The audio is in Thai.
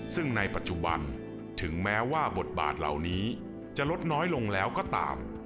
ซึ่งในปัจจุบันถึงแม้ว่าบทบาทเหล่านี้จะลดน้อยลงแล้วก็ตาม